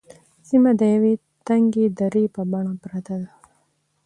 سیمه د یوې تنگې درې په بڼه پرته ده.